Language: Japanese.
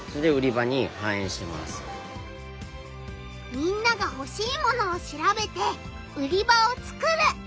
みんながほしい物を調べて売り場を作る。